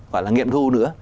gọi là nghiệp thu nữa